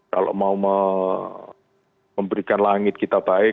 kalau mau memberikan langit kita baik